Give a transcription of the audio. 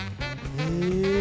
へえ。